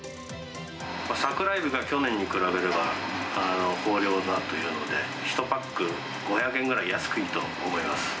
サクラエビが去年に比べれば、豊漁だというので、１パック５００円ぐらい安いと思います。